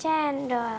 erat ini terus sih